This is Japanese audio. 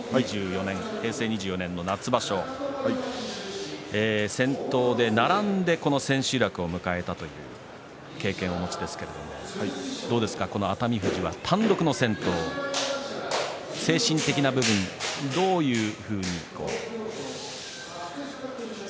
平成２４年夏場所先頭で並んだこの日千秋楽を迎えたという経験をお持ちですがどうですか、熱海富士は単独の先頭精神的な部分ではどういうふうに。